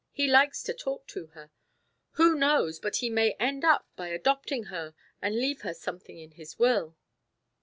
He likes to talk to her. Who knows but he may end by adopting her and leave her something in his will?"